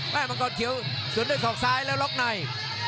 มังกรเขียวสวนด้วยศอกซ้ายแล้วล็อกใน